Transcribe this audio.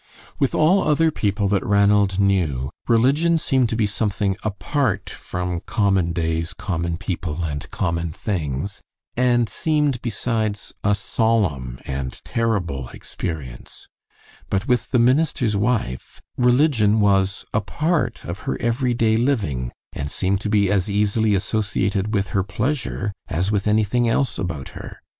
With all other people that Ranald knew religion seemed to be something apart from common days, common people, and common things, and seemed, besides, a solemn and terrible experience; but with the minister's wife, religion was a part of her every day living, and seemed to be as easily associated with her pleasure as with anything else about her.